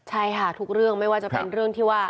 ใช่ค่ะทุกเรื่องไม่ว่าจะเป็นเรื่องที่ว่า